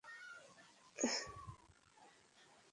তবে এক জনের এডহক অ্যাপয়েন্টমেন্ট তো হয়েছে।